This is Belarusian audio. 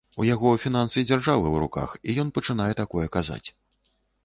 У яго фінансы дзяржавы ў руках, і ён пачынае такое казаць.